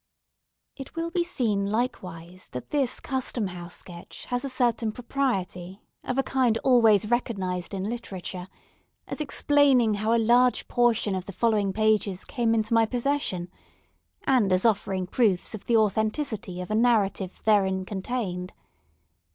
It will be seen, likewise, that this Custom House sketch has a certain propriety, of a kind always recognised in literature, as explaining how a large portion of the following pages came into my possession, and as offering proofs of the authenticity of a narrative therein contained.